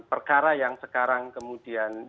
perkara yang sekarang kemudian